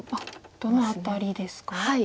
どの辺りですか？